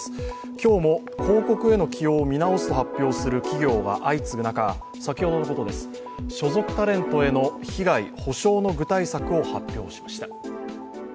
今日も広告への起用を見直すと発表する企業が相次ぐ中、先ほどのことです、所属タレントへの被害、補償の具体策を発表しました。